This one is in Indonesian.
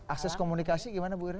akses komunikasi gimana bu irya